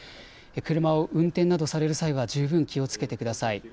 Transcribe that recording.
車を運転などされる際は十分気をつけてください。